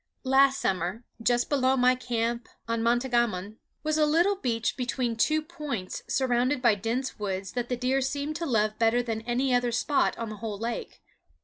Last summer, just below my camp on Matagammon, was a little beach between two points surrounded by dense woods that the deer seemed to love better than any other spot on the whole lake.